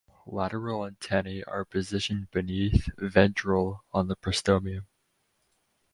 Lateral antennae are positioned beneath (ventral) on the prostomium.